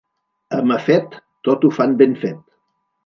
A Mafet tot ho fan ben fet.